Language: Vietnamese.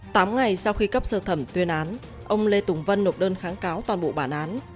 tám ngày sau khi cấp sơ thẩm tuyên án ông lê tùng vân nộp đơn kháng cáo toàn bộ bản án